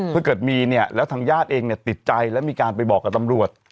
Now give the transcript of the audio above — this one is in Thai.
ถ้าเกิดมีเนี่ยแล้วทางญาติเองเนี่ยติดใจแล้วมีการไปบอกกับตำรวจ